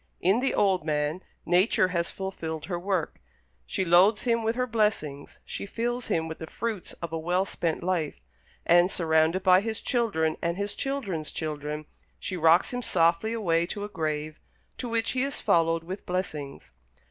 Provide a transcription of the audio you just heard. In the old man, Nature has fulfilled her work; she loads him with her blessings; she fills him with the fruits of a well spent life; and, surrounded by his children and his children's children, she rocks him softly away to a grave, to which he is followed with blessings.